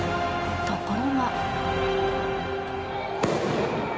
ところが。